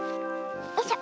よいしょ。